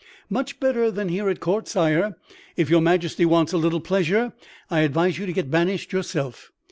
"Much better than here at court, sire. If your Majesty wants a little pleasure, I advise you to get banished yourself.